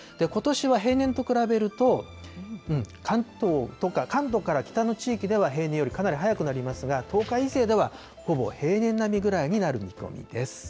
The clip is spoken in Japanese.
ことしは平年と比べると、関東とか、関東から北の地域では、平年よりかなり早くなりますが、東海以西では、ほぼ平年並みぐらいになる見込みです。